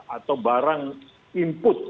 atau barang input